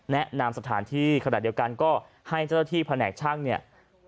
แนะนำสถานที่ขณะเดียวกันก็ให้เจ้าหน้าที่แผนกช่างเนี่ย